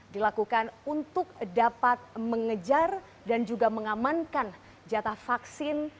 dilakukan untuk dapat mengejar dan juga mengamankan jatah vaksin